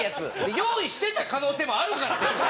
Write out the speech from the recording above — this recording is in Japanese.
用意してた可能性もあるから別に。